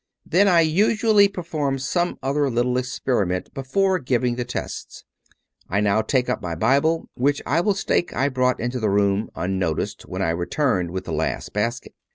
Then I usually perform some other little experiment before giving the tests. I now take up my Bible, which I will stake I brought into the room, unnoticed, when I returned with the last basket.